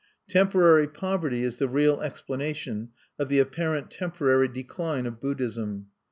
Temporary poverty is the real explanation of the apparent temporary decline of Buddhism.